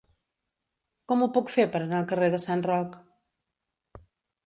Com ho puc fer per anar al carrer de Sant Roc?